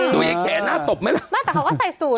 ดูอีกแขนะาตบไหมล่ะเห็นไหมอะหือ้อ